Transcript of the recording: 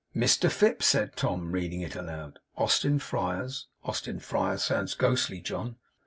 'Mr Fips,' said Tom, reading it aloud. 'Austin Friars. Austin Friars sounds ghostly, John.